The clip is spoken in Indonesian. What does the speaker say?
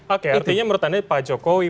oke artinya menurut anda pak jokowi